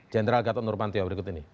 jenderal gatot nurmantio berikut ini